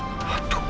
aku mau hidup